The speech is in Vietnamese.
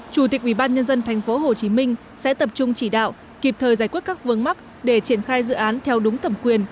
chủ tịch ubnd tp hcm sẽ tập trung chỉ đạo kịp thời giải quyết các vương mắc để triển khai dự án theo đúng thẩm quyền